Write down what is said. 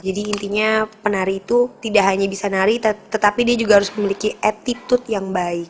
jadi intinya penari itu tidak hanya bisa nari tetapi dia juga harus memiliki attitude yang baik